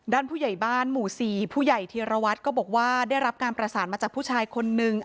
ผู้ใหญ่บ้านหมู่๔ผู้ใหญ่ธีรวัตรก็บอกว่าได้รับการประสานมาจากผู้ชายคนนึง